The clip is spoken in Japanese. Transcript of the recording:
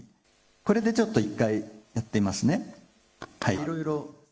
これでちょっと１回、やってみますね。